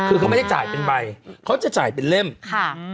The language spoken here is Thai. คือเขาไม่ได้จ่ายเป็นใบเขาจะจ่ายเป็นเล่มค่ะอืม